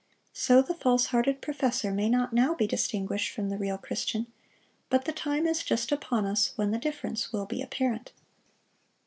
So the false hearted professor may not now be distinguished from the real Christian, but the time is just upon us when the difference will be apparent.